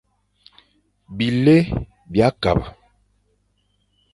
Bilé bia kabe.